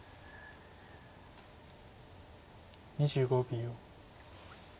２５秒。